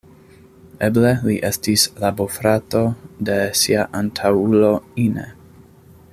Eble li estis la bofrato de sia antaŭulo Ine.